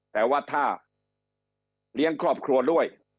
แต่ว่าถ้าเลี้ยงครอบครัวด้วย